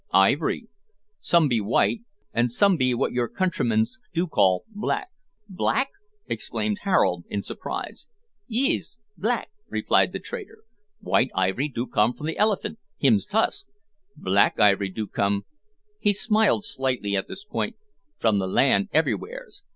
"Ivory. Some be white, an' some be what your contrymans do call black." "Black!" exclaimed Harold, in surprise. "Yees, black," replied the trader. "White ivory do come from the elephant hims tusk; Black Ivory do come," he smiled slightly at this point "from the land everywheres.